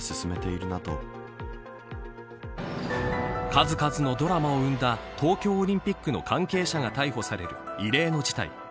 数々のドラマを生んだ東京オリンピック関係者が逮捕される異例の事態。